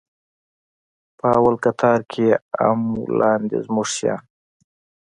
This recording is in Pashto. په اول کتار کښې يې ام و لاندې زموږ شيان.